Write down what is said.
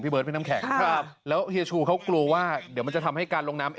เบิร์พี่น้ำแข็งครับแล้วเฮียชูเขากลัวว่าเดี๋ยวมันจะทำให้การลงน้ำ